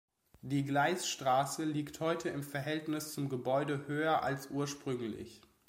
Die Gleistrasse liegt heute im Verhältnis zum Gebäude höher als ursprünglich.